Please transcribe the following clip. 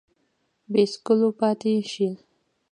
بې څکلو پاته شي